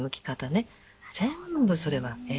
全部それはええ。